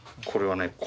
これはね